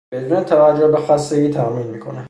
بدون توجه به خستگی تمرین میکنه